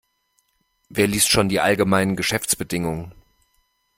Wer liest schon die allgemeinen Geschäftsbedingungen?